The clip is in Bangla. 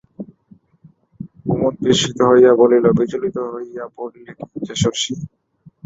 কুমুদ বিস্মিত হইয়া বলিল, বিচলিত হইয়া পরলি যে শশী?